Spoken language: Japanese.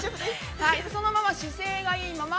そのまま、姿勢がいいまま。